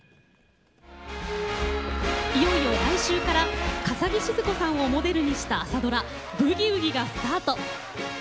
いよいよ来週から笠置シヅ子さんをモデルにした朝ドラ「ブギウギ」がスタート。